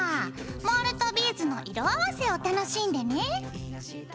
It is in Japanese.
モールとビーズの色合わせを楽しんでね。